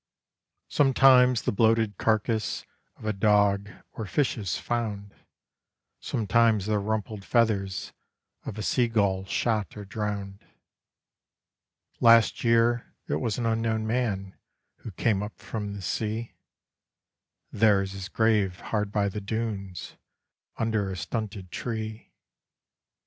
Sometimes the bloated carcase of a dog or fish is found, Sometimes the rumpled feathers of a sea gull shot or drowned. Last year it was an unknown man who came up from the sea, There is his grave hard by the dunes under a stunted tree.